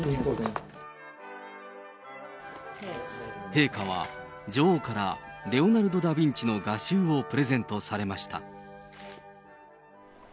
陛下は女王からレオナルド・ダ・ヴィンチの画集をプレゼントされました。